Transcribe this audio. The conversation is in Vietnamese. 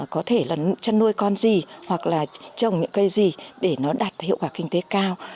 có thể là chăn nuôi con gì hoặc là trồng những cây gì để nó đạt hiệu quả kinh tế cao